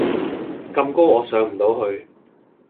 咁高我上唔到去